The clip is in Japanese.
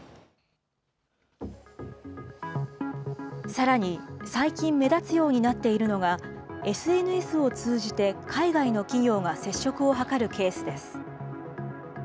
さらに、最近目立つようになっているのが、ＳＮＳを通じて海外の企業が接触を図るケースです。